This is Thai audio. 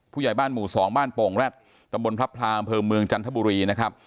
ผู้ใหญ่บ้านหมู่๒บ้านโป่งแร็ดตำบลพระพลาอำเภอเมืองจันทบุรีนะครับ